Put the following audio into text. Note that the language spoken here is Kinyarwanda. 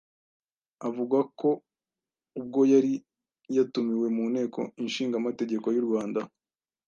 Avuga ko ubwo yari yatumiwe mu nteko inshingamategeko y'u Rwanda